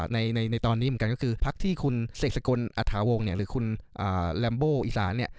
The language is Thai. ในตอนนี้เหมือนกันก็คือพรรคที่คุณเสกศกลอัฐาวงศ์หรือคุณลัมโบอิซาน